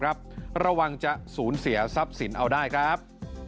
ระวังจะสูญเสียทรัพย์สินเอาได้ครับ